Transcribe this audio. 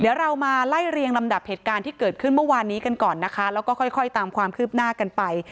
เดี๋ยวเรามาไล่เรียงลำดับเหตุการณ์ที่เกิดขึ้นเมื่อวานนี้กันก่อนนะคะแล้วก็ค่อยตามความคืบหน้ากันไป